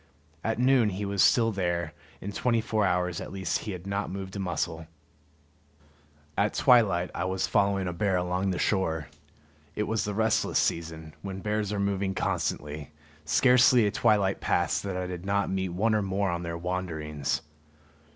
At noon he was still there; in twenty four hours at least he had not moved a muscle. At twilight I was following a bear along the shore. It was the restless season, when bears are moving constantly; scarcely a twilight passed that I did not meet one or more on their wanderings.